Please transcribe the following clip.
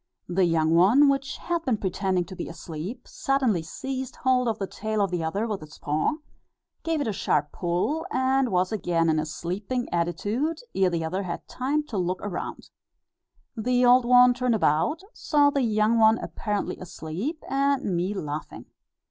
The young one, which had been pretending to be asleep, suddenly seized hold of the tail of the other with its paw, gave it a sharp pull, and was again in a sleeping attitude ere the other had time to look round. The old one turned about, saw the young one apparently asleep, and me laughing.